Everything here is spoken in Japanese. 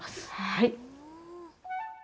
はい！